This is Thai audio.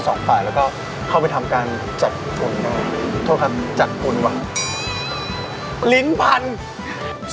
สอบฝ่ายแล้วก็เข้าไปทำการจัดอุณหวังโทษครับจัดอุณหวังลิ้นพันธุ์